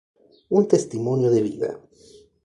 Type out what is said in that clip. Un testimonio de vida.